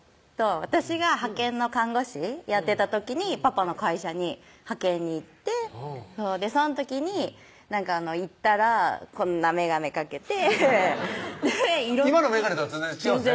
私が派遣の看護師やってた時にパパの会社に派遣に行ってその時に行ったらこんな眼鏡かけて今の眼鏡とは全然違うんですね